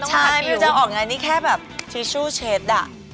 ใช่ไม่รู้จักว่าออกยังไงนี่แค่แบบทิชชู่เช็ดอะ